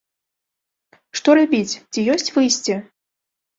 Што рабіць, ці ёсць выйсце?